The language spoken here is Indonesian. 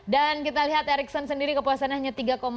dan kita lihat ericsson sendiri kepuasannya hanya tiga enam puluh